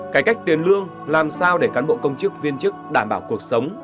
cải cách tiền lương làm sao để cán bộ công chức viên chức đảm bảo cuộc sống